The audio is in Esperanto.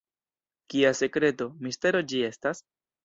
Kia sekreto, mistero ĝi estas?